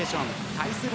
対する